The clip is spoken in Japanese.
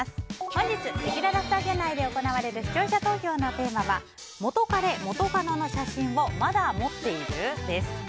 本日せきららスタジオ内で行われる視聴者投票のテーマは元カレ・元カノの写真をまだ持っている？です。